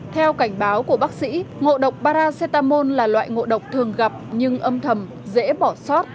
theo cảnh báo của bác sĩ ngộ độc baratamol là loại ngộ độc thường gặp nhưng âm thầm dễ bỏ sót